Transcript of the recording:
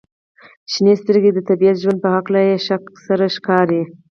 • شنې سترګې د طبیعت د ژوند په هکله بې شک سره ښکاري.